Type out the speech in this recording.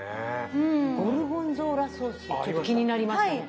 ゴルゴンゾーラソースちょっと気になりましたね。